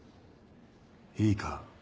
いいか？